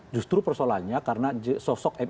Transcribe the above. justru persoalannya karena sosok mr iawan ini